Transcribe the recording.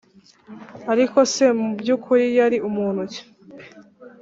ariko se mu by’ukuri yari muntu ki?